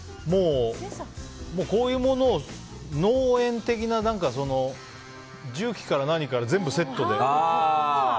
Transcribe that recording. こういうものを農園的な重機から何から全部セットで。